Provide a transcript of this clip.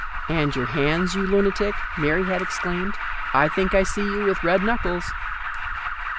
"And your hands, you lunatic?" Mary had exclaimed. " I think I see you with red knuckles